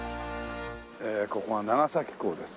ええここは長崎港です。